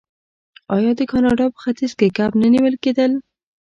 آیا د کاناډا په ختیځ کې کب نه نیول کیدل؟